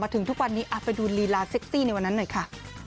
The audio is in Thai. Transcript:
ถึงทุกวันนี้ไปดูลีลาเซ็กซี่ในวันนั้นหน่อยค่ะ